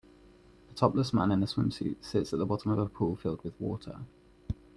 A topless man in a swimsuit sits at the bottom of a pool filled with water.